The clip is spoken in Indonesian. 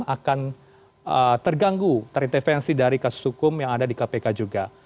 akan terganggu terintervensi dari kasus hukum yang ada di kpk juga